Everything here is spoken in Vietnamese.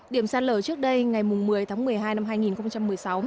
điểm sạt lở trước đây ngày một mươi tháng một mươi hai năm hai nghìn một mươi sáu